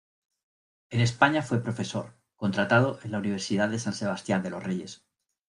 En España fue profesor contratado en la Universidad de San Sebastián de los Reyes.